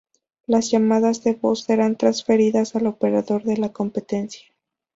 Las llamadas de voz serán transferidas al operador de la competencia.